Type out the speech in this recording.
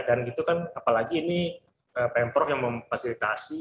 dan gitu kan apalagi ini pm prof yang memfasilitasi